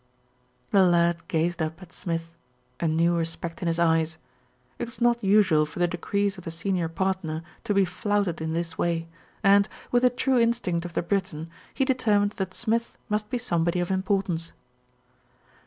The lad gazed up at Smith, a new respect in his eyes. It was not usual for the decrees of the senior partner to be flouted in this way and, with the true instinct of the Briton, he determined that Smith must be some body of importance.